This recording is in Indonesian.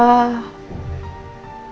sekarang yang papa lagi hadapin itu